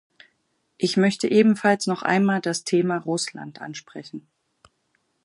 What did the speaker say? Ich möchte ebenfalls noch einmal das Thema Russland ansprechen.